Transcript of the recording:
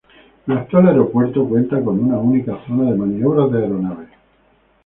El actual aeropuerto cuenta con una única zona de maniobras de aeronaves.